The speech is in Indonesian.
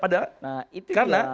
nah itu dia